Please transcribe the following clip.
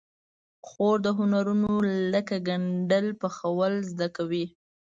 خور د هنرونو لکه ګنډل، پخول زده کوي.